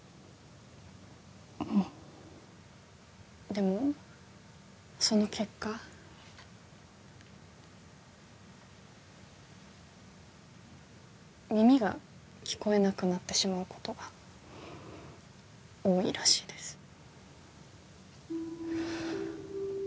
うんでもその結果耳が聞こえなくなってしまうことが多いらしいです